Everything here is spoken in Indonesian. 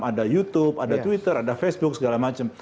ada youtube ada twitter ada facebook segala macam